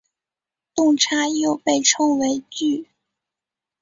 动差又被称为矩。